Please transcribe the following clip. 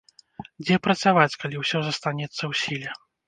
Дзе працаваць, калі ўсё застанецца ў сіле?